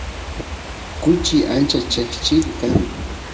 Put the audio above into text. kuchi ancha cheqchilu kan